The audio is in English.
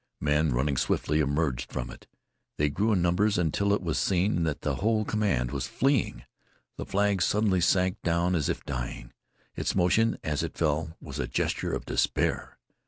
Men running swiftly emerged from it. They grew in numbers until it was seen that the whole command was fleeing. The flag suddenly sank down as if dying. Its motion as it fell was a gesture of despair.